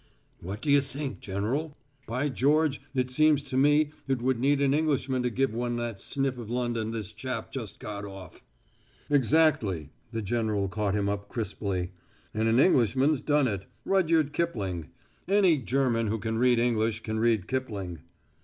"What do you think, General? By George, it seems to me it would need an Englishman to give one that sniff of London this chap just got off." "Exactly," the general caught him up crisply. "And an Englishman's done it Rudyard Kipling. Any German who can read English can read Kipling."